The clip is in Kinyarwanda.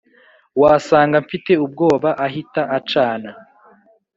wasaga mfite ubwoba ahita acana